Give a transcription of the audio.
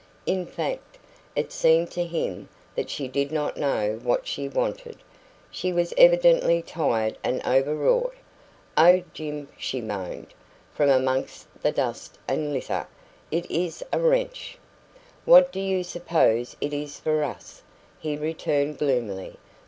In fact, it seemed to him that she did not know what she wanted. She was evidently tired and overwrought. "Oh, Jim," she moaned, from amongst the dust and litter, "it is a wrench!" "What do you suppose it is for us?" he returned gloomily.